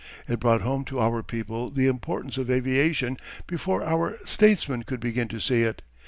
It brought home to our people the importance of aviation before our statesmen could begin to see it.